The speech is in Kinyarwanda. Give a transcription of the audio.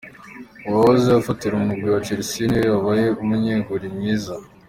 Uwahoze afatira umugwi wa Chelsea ni we yabaye umunyegoli mwiza.